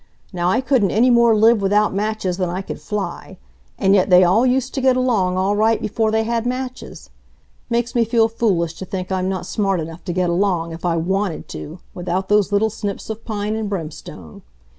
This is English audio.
Now I couldn't any more live without matches than I could fly! And yet they all used to get along all right before they had matches. Makes me feel foolish to think I'm not smart enough to get along, if I WANTED to, without those little snips of pine and brimstone.